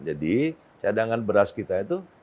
jadi cadangan beras kita itu